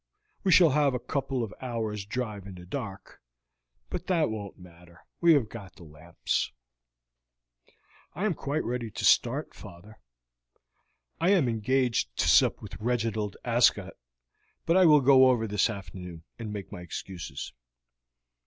We shall have a couple of hours' drive in the dark, but that won't matter, we have got the lamps." "I am quite ready to start, father. I am engaged to sup with Reginald Ascot, but I will go over this afternoon and make my excuses."